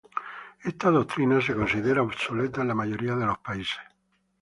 Esta doctrina se considera obsoleta en la mayoría de los países.